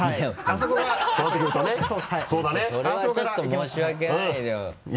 それはちょっと申し訳ないよ。